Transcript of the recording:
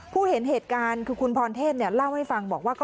เห็นเหตุการณ์คือคุณพรเทพเล่าให้ฟังบอกว่า